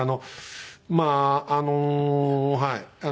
まああのはい。